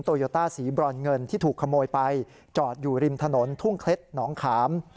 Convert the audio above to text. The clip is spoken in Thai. โยต้าสีบรอนเงินที่ถูกขโมยไปจอดอยู่ริมถนนทุ่งเคล็ดหนองขาม